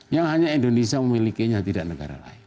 yang hanya indonesia memilikinya tidak negara lain